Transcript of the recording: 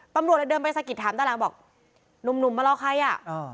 ตำรวจเลยเดินไปสะกิดถามด้านหลังบอกหนุ่มมารอใครอ่ะ